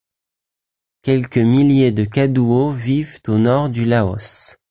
Quelques milliers de Kaduo vivent au Nord du Laos.